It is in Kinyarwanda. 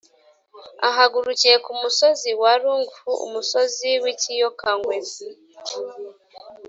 ahagurukiye ku musozi wa lung-hu (umusozi w’ikiyoka ngwe)